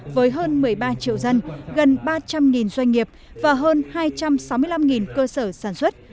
với hơn một mươi ba triệu dân gần ba trăm linh doanh nghiệp và hơn hai trăm sáu mươi năm cơ sở sản xuất